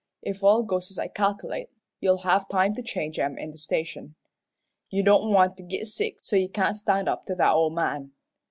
If all goes as I calc'late, you'll have time to change 'em in the station. You don't want to git sick so you can't stand up to that ole man.